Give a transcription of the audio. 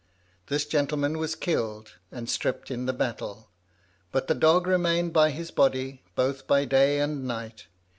This gentleman was killed and stripped in the battle, but the dog remained by his body both by day and night.